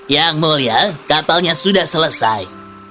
yang mulia kapalnya sudah selesai